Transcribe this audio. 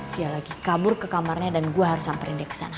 dia lagi kabur ke kamarnya dan gue harus samperin dia ke sana